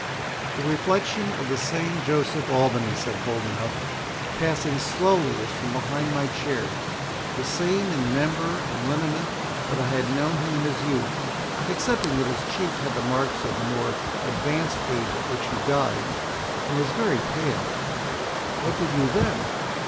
"The reflection of the same Joseph Albany," said Holdenough, "passing slowly as from behind my chair—the same in member and lineament that I had known him in his youth, excepting that his cheek had the marks of the more advanced age at which he died, and was very pale." "What did you then?"